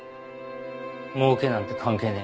もうけなんて関係ねえ。